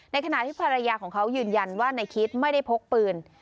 ขณะที่ภรรยาของเขายืนยันว่านายคิดไม่ได้พกปืน